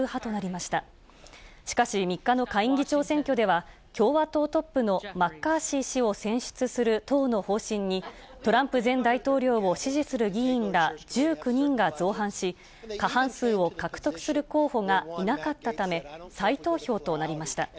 しかし３日の下院議長選挙では、共和党トップのマッカーシー氏を選出する党の方針に、トランプ前大統領を支持する議員ら１９人が造反し、過半数を獲得する候補がいなかったため、再投票となりました。